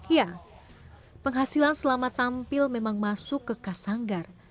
ya penghasilan selama tampil memang masuk kekas hanggar